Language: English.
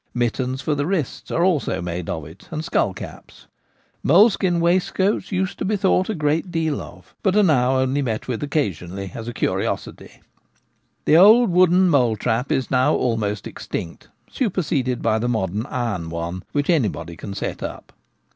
Mittens for the wrists are also made of it, and skull caps. Mole skin waistcoats used to be thought a good deal of, but are now only met with occasionally as a curiosity. 26 The Gamekeeper at Home. fc The old wooden mole trap is now almost extinct, superseded by the modern iron one, which anybody can set up.